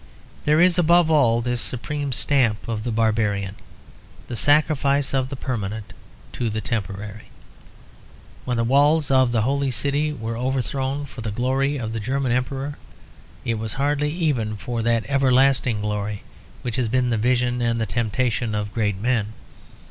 There is above all this supreme stamp of the barbarian; the sacrifice of the permanent to the temporary. When the walls of the Holy City were overthrown for the glory of the German Emperor, it was hardly even for that everlasting glory which has been the vision and the temptation of great men.